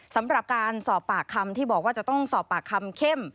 สำหรับการสอบปากคำที่บอกว่าจะต้องสอบปากคำเข้ม